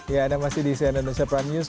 ya anda masih di cnn indonesia prime news